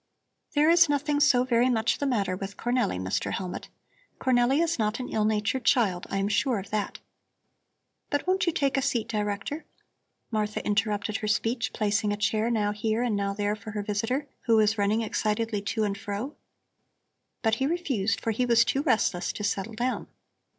"There is nothing so very much the matter with Cornelli, Mr. Hellmut. Cornelli is not an ill natured child, I am sure of that. But won't you take a seat, Director?" Martha interrupted her speech, placing a chair now here and now there for her visitor, who was running excitedly to and fro. But he refused, for he was too restless to settle down.